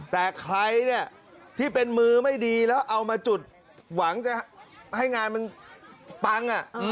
แต่ใครเนี่ยที่เป็นมือไม่ดีแล้วเอามาจุดหวังจะให้งานมันปัง